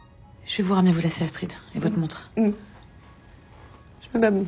うん。